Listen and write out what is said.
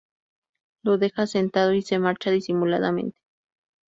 Lo deja sentado y se marcha disimuladamente.